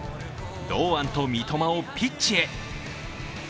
堂安と三笘をピッチへ。